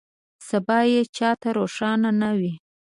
سبا یې چا ته روښانه نه وي.